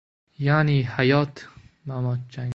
Ya’ni hayot–mamot jangi.